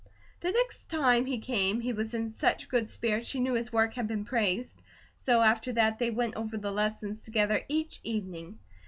The next time he came, he was in such good spirits she knew his work had been praised, so after that they went over the lessons together each evening.